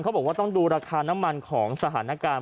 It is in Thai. บอกว่าต้องดูราคาน้ำมันของสถานการณ์